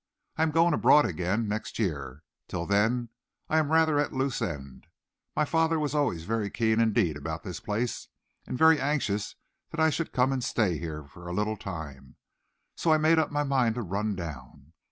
I am going abroad again next year. Till then, I am rather at a loose end. My father was always very keen indeed about this place, and very anxious that I should come and stay here for a little time, so I made up my mind to run down.